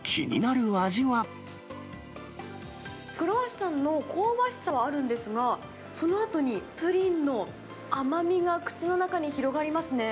クロワッサンの香ばしさはあるんですが、そのあとにプリンの甘みが口の中に広がりますね。